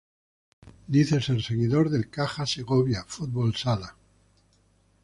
Dice ser un seguidor del Caja Segovia Fútbol Sala.